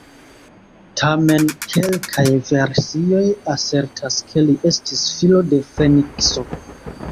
Tamen, kelkaj versioj asertas ke li estis filo de Fenikso.